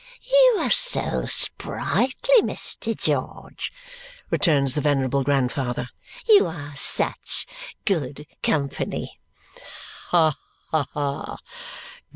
"You are so sprightly, Mr. George," returns the venerable grandfather. "You are such good company." "Ha ha!